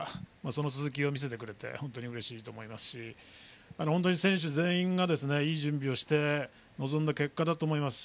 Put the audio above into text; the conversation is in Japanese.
その続きを見せてくれて本当にうれしいと思いますし選手全員がいい準備をして臨んだ結果だと思います。